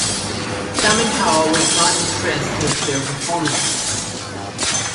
Simon Cowell was not impressed with their performances.